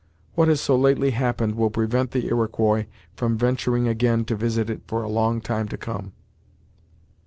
What has so lately happened will prevent the Iroquois from venturing again to visit it for a long time to come."